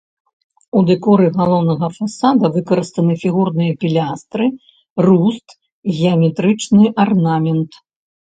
У дэкоры галоўнага фасада выкарыстаны фігурныя пілястры, руст, геаметрычны арнамент.